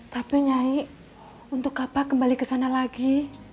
tapi nyanyi untuk apa kembali ke sana lagi